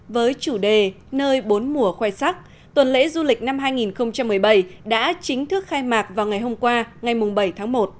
với chủ đề nơi bốn mùa khoe sắc tuần lễ du lịch năm hai nghìn một mươi bảy đã chính thức khai mạc vào ngày hôm qua ngày bảy tháng một